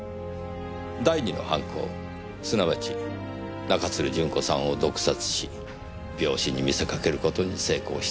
第２の犯行すなわち中津留順子さんを毒殺し病死に見せかける事に成功した。